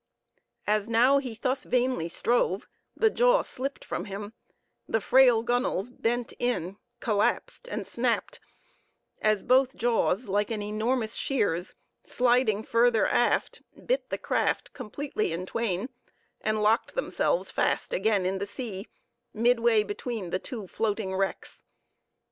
As now he thus vainly strove, the jaw slipped from him; the frail gunwales bent in, collapsed, and snapped, as both jaws, like an enormous shears, sliding further aft, bit the craft completely in twain, and locked themselves fast again in the sea, midway between the two floating wrecks.